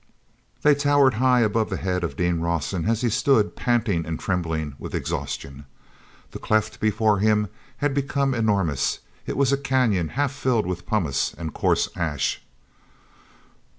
They towered high above the head of Dean Rawson as he stood, panting and trembling with exhaustion. The cleft before him had become enormous: it was a canyon, half filled with pumice and coarse ash.